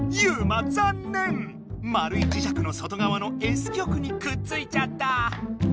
まるい磁石の外側のＳ極にくっついちゃった！